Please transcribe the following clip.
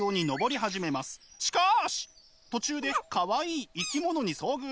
しかし途中でかわいい生き物に遭遇！